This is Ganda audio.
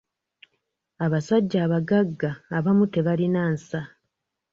Abasajja abagagga abamu tebalina nsa.